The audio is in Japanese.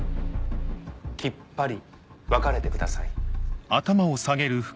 きっぱり別れてください。